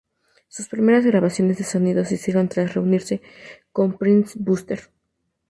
Sus primeras grabaciones de sonido se hicieron tras reunirse con Prince Buster.